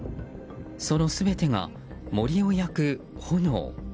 その全てが森を焼く炎。